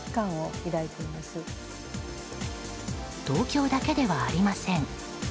東京だけではありません。